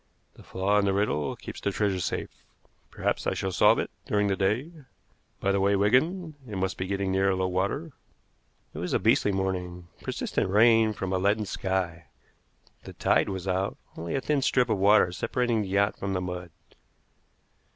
The flaw in the riddle keeps the treasure safe. Perhaps I shall solve it during the day. By the way, Wigan, it must be getting near low water." It was a beastly morning, persistent rain from a leaden sky. The tide was out, only a thin strip of water separating the yacht from the mud.